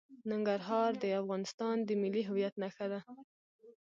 ننګرهار د افغانستان د ملي هویت نښه ده.